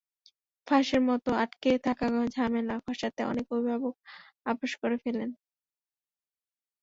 ফাঁসের মতো আটকে থাকা ঝামেলা খসাতে অনেক অভিভাবক আপস করে ফেলেন।